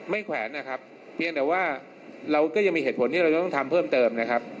แขวนนะครับเพียงแต่ว่าเราก็ยังมีเหตุผลที่เราจะต้องทำเพิ่มเติมนะครับ